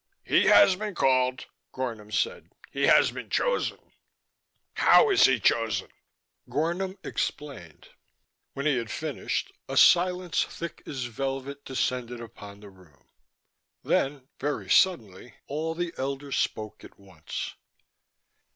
"He has been called," Gornom said. "He has been chosen." "How is he chosen?" Gornom explained. When he had finished, a silence thick as velvet descended upon the room. Then, very suddenly, all the elders spoke at once.